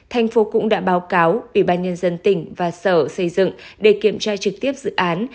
thành phố cũng đã báo cáo ủy ban nhân dân tỉnh và sở xây dựng để kiểm tra trực tiếp dự án